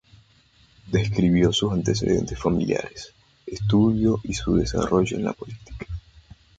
Describió sus antecedentes familiares, estudios, y su desarrollo en la política.